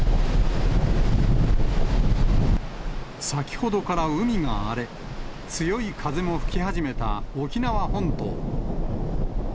先ほどから海が荒れ、強い風も吹き始めた沖縄本島。